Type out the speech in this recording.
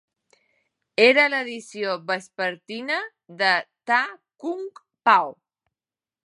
Era l'edició vespertina de "Ta Kung Pao".